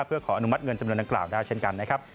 เพื่อขออนุมัติเงินจำนวนดังกล่าวได้เช่นกันนะครับ